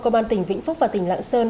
công an tỉnh vĩnh phúc và tỉnh lạng sơn